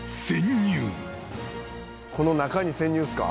「この中に潜入ですか？」